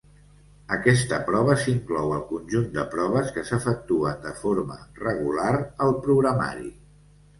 Aquesta prova s'inclou al conjunt de proves que s'efectuen de forma regular al programari.